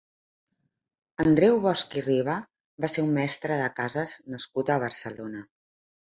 Andreu Bosch i Riba va ser un mestre de cases nascut a Barcelona.